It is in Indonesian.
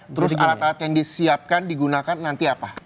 terus alat alat yang disiapkan digunakan nanti apa